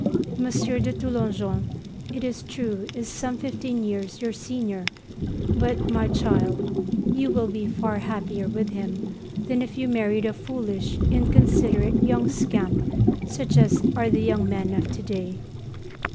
M. de Toulonjon it is true is some fifteen years your senior, but, my child, you will be far happier with him than if you married a foolish, inconsiderate young scamp such as are the young men of to day.